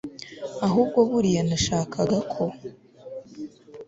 ahubwo buriya nashakaga ko